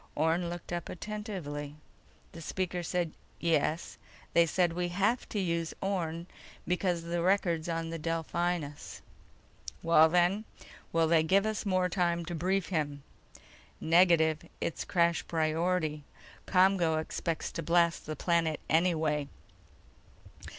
Orne looked up attentively. The speaker said: "Yes. They said we have to use Orne because of the records on the Delphinus." "Well then, will they give us more time to brief him?" "Negative. It's crash priority. ComGO expects to blast the planet anyway."